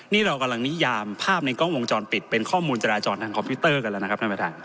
นี่เรากำลังนิยามภาพในกล้องวงจรปิดเป็นข้อมูลจราจรทางคอมพิวเตอร์กันแล้วนะครับท่านประธาน